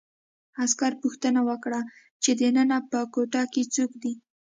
عسکر پوښتنه وکړه چې دننه په کوټه کې څوک دي